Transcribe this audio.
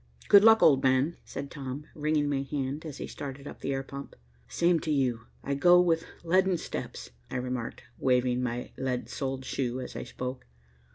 "Good luck, old man," said Tom, wringing my hand, as he started up the air pump. "Same to you. I go with leaden steps," I remarked, waving my lead soled shoe as I spoke.